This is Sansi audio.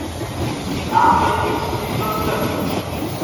راتی ہوئی گی ٹی وی بند کر